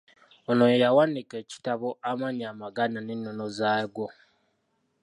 Ono ye yawandiika ekitabo Amannya amaganda n'ennono zaago.